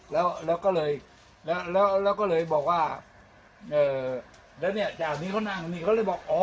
แล้วก็เลยแล้วแล้วก็เลยบอกว่าเอ่อแล้วเนี่ยจากนี้เขานั่งนี่เขาเลยบอกอ๋อ